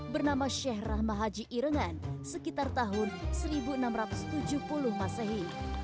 bernama sheikh rahma haji irengan sekitar tahun seribu enam ratus tujuh puluh masehi